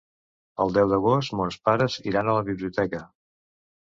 El deu d'agost mons pares iran a la biblioteca.